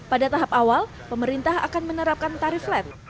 pada tahap awal pemerintah akan menerapkan tarif lab